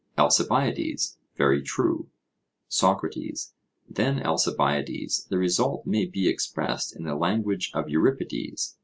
ALCIBIADES: Very true. SOCRATES: Then, Alcibiades, the result may be expressed in the language of Euripides.